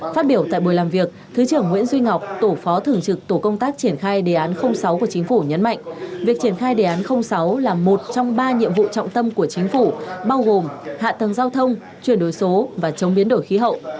phát biểu tại buổi làm việc thứ trưởng nguyễn duy ngọc tổ phó thường trực tổ công tác triển khai đề án sáu của chính phủ nhấn mạnh việc triển khai đề án sáu là một trong ba nhiệm vụ trọng tâm của chính phủ bao gồm hạ tầng giao thông chuyển đổi số và chống biến đổi khí hậu